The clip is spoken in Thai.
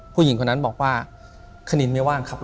ถูกต้องไหมครับถูกต้องไหมครับ